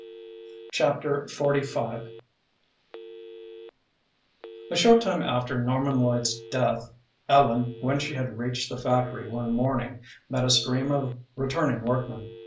Chapter XLV A Short time after Norman Lloyd's death, Ellen, when she had reached the factory one morning, met a stream of returning workmen.